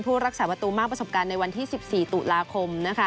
รักษาประตูมากประสบการณ์ในวันที่๑๔ตุลาคม